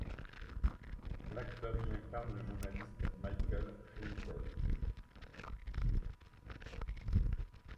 L'acteur y incarne le journaliste Michael Finkel.